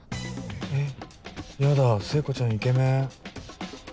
えっやだ聖子ちゃんイケメン。